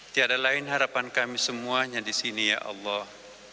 tiada lain harapan kami semuanya di sini ya allah